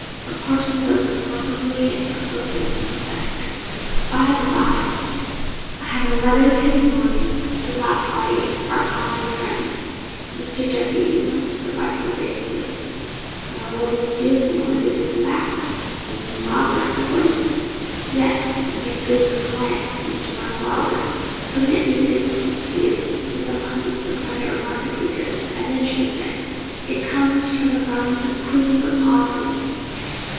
Of course, his host was properly afflicted and sympathetic. 'By the bye, I had a letter this morning from that party our common friend, Mr. W., you know,' said Larkin, gracefully. 'Well, what is he doing, and when does he come back? You mean Wylder, of course?' 'Yes; my good client, Mr. Mark Wylder. Permit me to assist you to some honey, you'll find it remarkably good, I venture to say; it comes from the gardens of Queen's Audley.